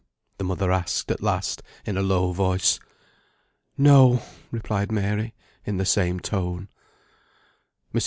the mother asked at last in a low voice. "No!" replied Mary, in the same tone. Mrs.